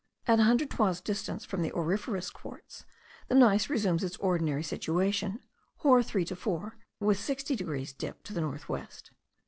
At a hundred toises distance from the auriferous quartz, the gneiss resumes its ordinary situation, hor 3 to 4, with 60 degrees dip to the north west.